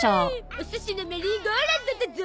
お寿司のメリーゴーラウンドだゾ。